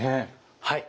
はい。